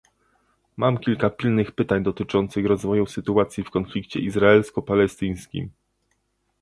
Mam kilka pilnych pytań dotyczących rozwoju sytuacji w konflikcie izraelsko-palestyńskim